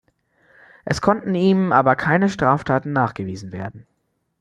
Es konnten ihm aber keine Straftaten nachgewiesen werden.